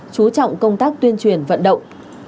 chú trọng công tác tuyên truyền vận động